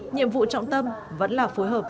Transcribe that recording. nhiệm vụ trọng tâm vẫn là phối hợp